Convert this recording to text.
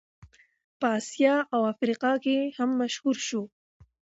په اسیا او افریقا کې هم مشهور شو.